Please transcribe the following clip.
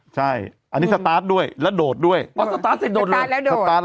ใช่อันนี้สตาร์ทด้วยแล้วโดดด้วยอ๋อสตาร์ทเสร็จโดดเลยสตาร์ท